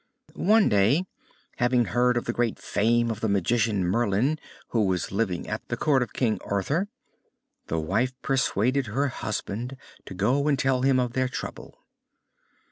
One day, having heard of the great fame of the magician Merlin, who was living at the Court of King Arthur, the wife persuaded her husband to go and tell him of their trouble.